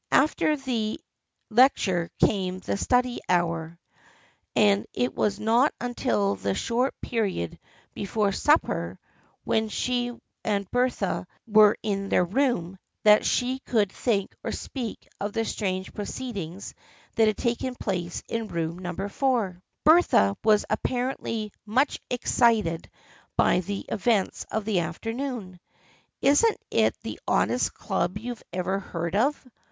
After the lecture came the study hour, and it was not until the short period before supper, when she and Bertha were in their room, that she could think or speak of the strange proceedings that had taken place in room No. 4. Bertha was apparently much excited by the events of the afternoon. " Isn't it the oddest club you ever heard of?